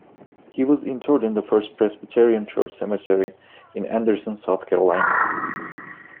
He was interred in the First Presbyterian Church Cemetery in Anderson, South Carolina.